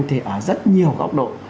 thì ở rất nhiều góc độ